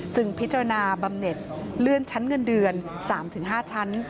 พิจารณาบำเน็ตเลื่อนชั้นเงินเดือน๓๕ชั้น